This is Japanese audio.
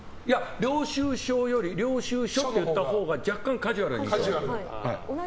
領収証より領収書って言ったほうが若干カジュアルになる。